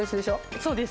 そうです。